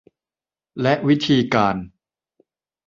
และวิธีการ